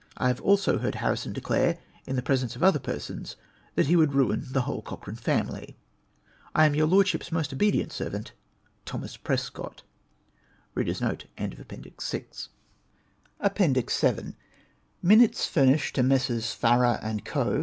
I have also heard Harrison declare, in tlie presence of other persons, that lie vjould ruin the whole Cochrane famihj. I am your Lordship's most ohedient servant, Thomas Prescott. APPENDIX VIL MINUTES FURNISHED TO MESSES. FARRER AND CO.